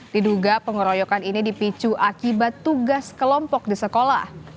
diduga pengeroyokan ini dipicu akibat tugas kelompok di sekolah